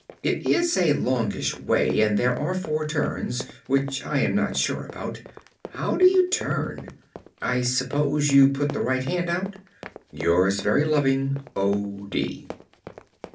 It is a longish way and there are four turns, which I am not sure about. How do you turn? I suppose you put the right hand out? Your very loving, O. D.